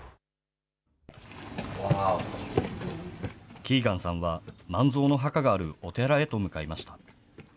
キーガンさんは萬蔵の墓があるお寺へと向かいました。